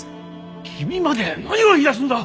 君まで何を言いだすんだ！